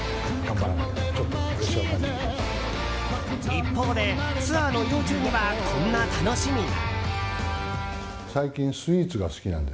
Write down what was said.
一方でツアーの移動中にはこんな楽しみが。